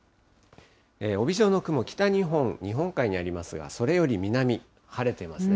帯状の雲、北日本、日本海にありますが、それより南、晴れてますね。